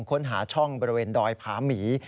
ค้นหาช่องบริเวณดอยผาหมี